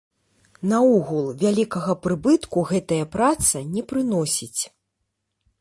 Наогул, вялікага прыбытку гэтая праца не прыносіць.